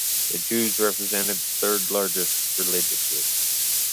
The Jews represented the third largest religious group.